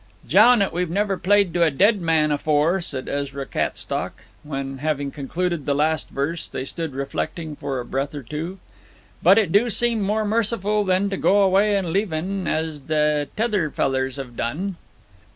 'Jown it we've never played to a dead man afore,' said Ezra Cattstock, when, having concluded the last verse, they stood reflecting for a breath or two. 'But it do seem more merciful than to go away and leave en, as they t'other fellers have done.'